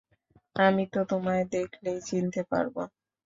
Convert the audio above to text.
আমি তো তোমায় দেখলেই চিনতে পারবো।